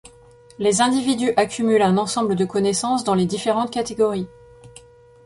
Les individus accumulent un ensemble de connaissances dans les différentes catégories.